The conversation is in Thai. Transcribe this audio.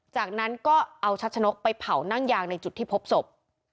จากนั้นก็เอาชัดชะนกไปเผานั่งยางในจุดที่พบศพ